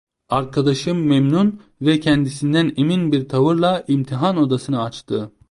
Arkadaşım memnun ve kendisinden emin bir tavırla imtihan odasını açtı.